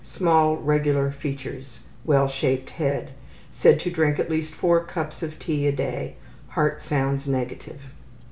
Small regular features. Well shaped head. Said to drink at least 4 cups of tea a day. Heart sounds negative.